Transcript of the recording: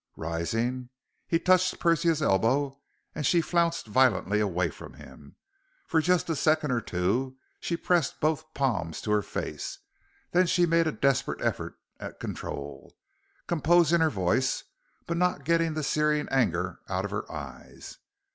Rising, he touched Persia's elbow, and she flounced violently away from him. For just a second or two, she pressed both palms to her face. Then she made a desperate effort at control, composing her voice but not getting the searing anger out of her eyes.